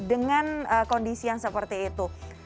dengan kondisi yang seperti itu